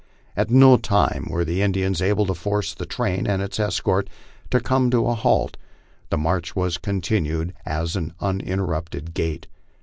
At no time were the Indians able to force the train and its escort to come to a halt. The march was continued at an uninterrupted gait.